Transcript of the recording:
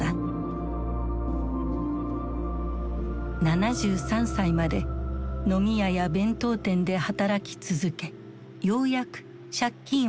７３歳まで飲み屋や弁当店で働き続けようやく借金を返し終えた。